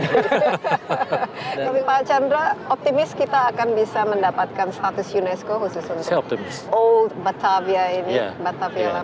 tapi pak chandra optimis kita akan bisa mendapatkan status unesco khusus untuk old batavia ini batavia